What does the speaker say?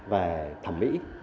về thẩm mỹ